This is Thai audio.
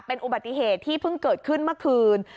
เป็นอุบัติเหตุที่เพิ่งเกิดขึ้นเมื่อคืน